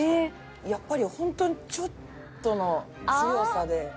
やっぱり本当にちょっとの強さで。